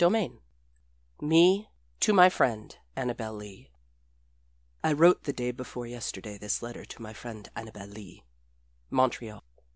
XXIII ME TO MY FRIEND ANNABEL LEE I wrote the day before yesterday this letter to my friend Annabel Lee: Montreal.